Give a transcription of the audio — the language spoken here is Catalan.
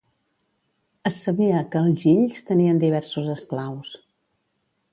Es sabia que els Gills tenien diversos esclaus.